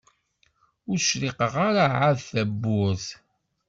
Ur cṛiqeɣ ara ɛad tawwurt.